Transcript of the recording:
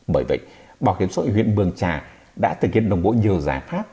bởi vậy bảo hiểm xã hội huyện mường trà đã thực hiện đồng bộ nhiều giải pháp